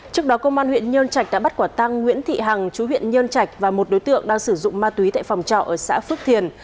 trước đó công an huyện nhân trạch đã bắt quả tăng nguyễn thị hằng chú huyện nhơn trạch và một đối tượng đang sử dụng ma túy tại phòng trọ ở xã phước thiền